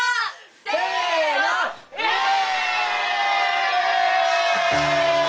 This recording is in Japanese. せのイエイ！